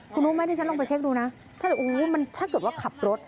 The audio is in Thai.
คุณลุงให้ดิฉันลงไปเช็คดูนะถ้าเกิดว่าขับรถ